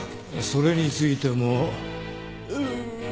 それについてもうう。